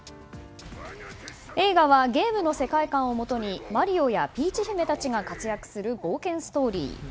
映画はゲームの世界観をもとにマリオやピーチ姫たちが活躍する冒険ストーリー。